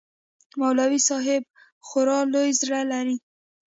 مولوى صاحب خورا لوى زړه لري.